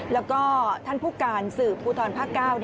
แล้วก็ท่านภูตการณ์สื่อภูทรภาพเก้า